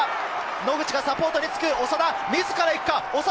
野口がサポート、長田、自ら行くか？